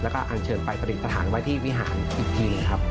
แล้วก็อันเชิญไปประดิษฐานไว้ที่วิหารอีกทีครับ